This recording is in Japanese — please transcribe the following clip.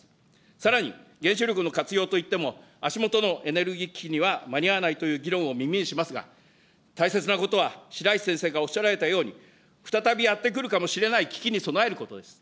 さらに、原子力の活用といっても、足下のエネルギー危機には間に合わないという議論を耳にしますが、大切なことは、白石先生がおっしゃられたように、再びやって来るかもしれない危機に備えることです。